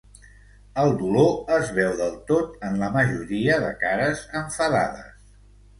El dolor es veu del tot en la majoria de cares enfadades.